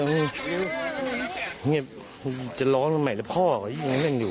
เงียบจะร้องใหม่แล้วพ่อยังเล่นอยู่